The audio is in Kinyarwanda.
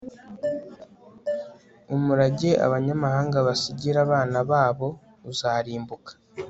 umurage abanyabyaha basigira abana babo uzarimbuka